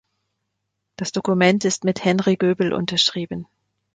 Das Dokument ist mit "Henry Goebel" unterschrieben.